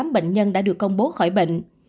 bảy trăm linh tám bệnh nhân đã được công bố khỏi bệnh